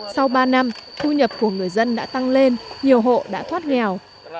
sau ba năm thu nhập của người dân đã tăng lên nhiều hộ đã thoát nghèo